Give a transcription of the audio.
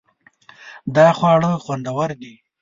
دا خواړه خوندور دي